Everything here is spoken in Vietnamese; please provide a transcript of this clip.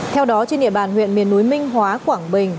theo đó trên địa bàn huyện miền núi minh hóa quảng bình